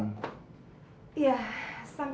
sampai pikiranku berubah